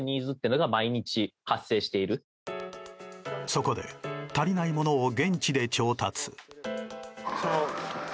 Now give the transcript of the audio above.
そこで、足りないものを現地で調達。